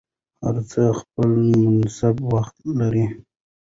هر څه خپل مناسب وخت لري